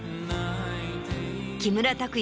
木村拓哉